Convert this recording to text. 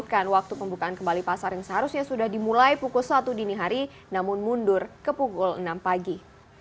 bukan waktu pembukaan kembali pasar yang seharusnya sudah dimulai pukul satu dini hari namun mundur ke pukul enam pagi